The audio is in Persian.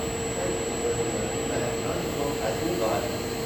پنج امتیاز منفی و اخراج تو حتمی خواهد بود!